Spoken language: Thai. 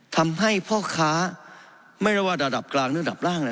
ทำให้พ่อค้าไม่ว่าระดับกลางหรือระดับล่าง